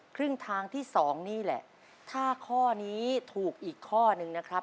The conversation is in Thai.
ครึ่งทางที่สองนี่แหละถ้าข้อนี้ถูกอีกข้อนึงนะครับ